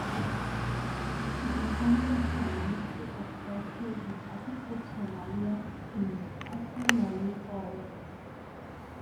The incumbent Prime Minister of the Federal Republic of Somalia is Hassan Ali Khayre.